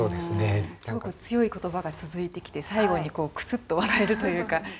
すごく強い言葉が続いてきて最後にクスッと笑えるというか。